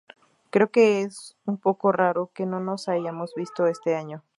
Creo que es un poco raro que no nos hayamos visto este año.